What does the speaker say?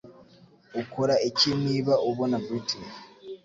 Ukora iki niba ubona Britney?